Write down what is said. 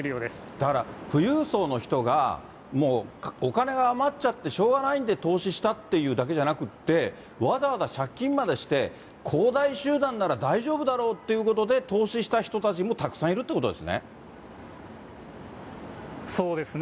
だから富裕層の人がもうお金が余っちゃって、しょうがないんで投資したというだけじゃなくって、わざわざ借金までして、恒大集団なら大丈夫だろうってことで投資した人たちもたくさんいそうですね。